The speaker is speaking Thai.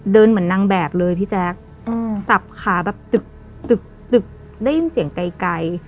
เดินเหมือนนั่งแบบเลยพี่แจ๊กสับขาแบบได้ยินเสียงไกล